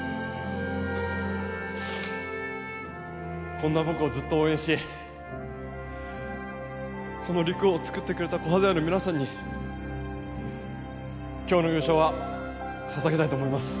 こんな僕をずっと応援しこの陸王を作ってくれたこはぜ屋の皆さんに今日の優勝は捧げたいと思います